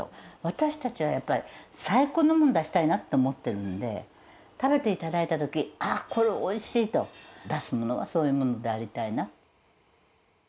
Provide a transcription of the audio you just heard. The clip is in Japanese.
私たちはやっぱり、最高のものを出したいなと思っているので、食べていただいたとき、あっ、これおいしいと、出すものはそういうものでありたいなと。